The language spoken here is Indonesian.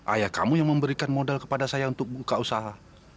ayah kamu yang memberikan modal kepada saya untuk buka usaha